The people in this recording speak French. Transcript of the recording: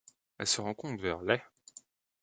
Elle se rencontre vers Leh.